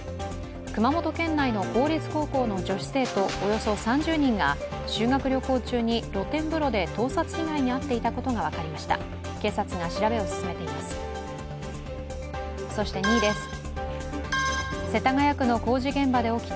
熊本県内の公立高校の女子生徒およそ３０人が修学旅行中に露天風呂で盗撮被害に遭っていたことが分かりました。